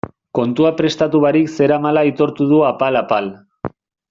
Kontua prestatu barik zeramala aitortu du apal-apal.